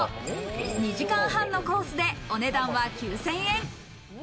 ２時間半のコースで、お値段は９０００円。